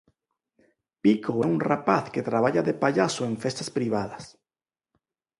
Pico é un rapaz que traballa de pallaso en festas privadas.